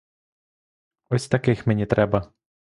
Ось таких мені треба.